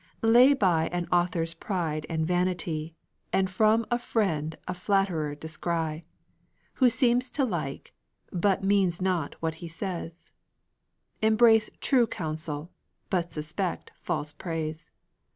Lay by an author's pride and vanity, And from a friend a flatterer descry, Who seems to like, but means not what he says; Embrace true counsel, but suspect false praise.